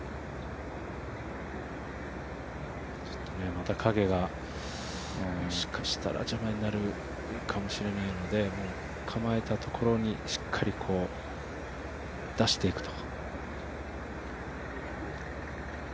また影が、もしかしたら邪魔になるかもしれないので、もう構えたところにしっかり出していくと。